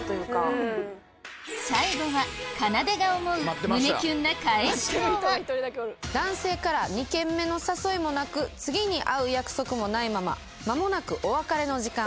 最後はかなでが思う男性から２軒目の誘いもなく次に会う約束もないまま間もなくお別れの時間。